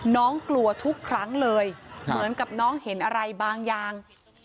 น้องกลัวทุกครั้งเลยเหมือนกับน้องเห็นอะไรบางอย่าง